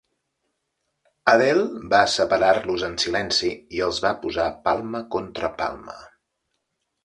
Adele va separar-los en silenci i els va posar palma contra palma.